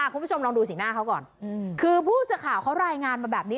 คุณผู้ชมลองดูสีหน้าเขาก่อนคือผู้สื่อข่าวเขารายงานมาแบบนี้